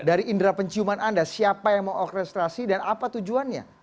dari indera penciuman anda siapa yang mengorkestrasi dan apa tujuannya